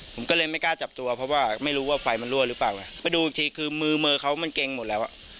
ผมก็เลยไม่กล้าจับตัวเพราะว่าไม่รู้ว่าไฟมันรั่วหรือเปล่านะมาดูอีกทีคือมือมือเขามันเกรงหมดแล้วอ่ะ